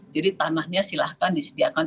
jadi tanahnya silahkan disediakan